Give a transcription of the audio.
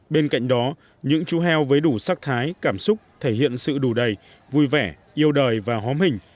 bên cạnh đó những chú heo với đủ sắc thái cảm xúc thể hiện sự đủ đầy vui vẻ yêu đời và hóm hình